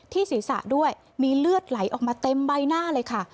ศีรษะด้วยมีเลือดไหลออกมาเต็มใบหน้าเลยค่ะ